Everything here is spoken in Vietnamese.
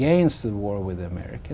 chúng tôi rất thích